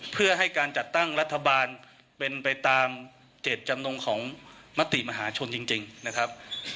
เพื่อให้การจัดตั้งรัฐบาลเป็นไปตามเจ็ดจำนงของมติมหาชนจริงนะครับ